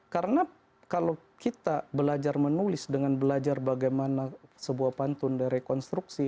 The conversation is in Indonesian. karena kalau kita belajar menulis dengan belajar bagaimana sebuah pantun dari konstruksi